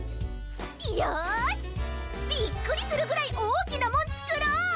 よし！びっくりするぐらいおおきなもんつくろう！